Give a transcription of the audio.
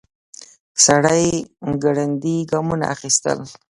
سړی ګړندي ګامونه اخيستل.